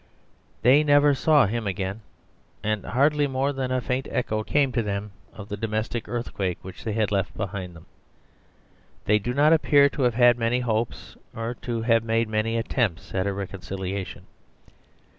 They never saw him again, and hardly more than a faint echo came to them of the domestic earthquake which they left behind them. They do not appear to have had many hopes, or to have made many attempts at a reconciliation.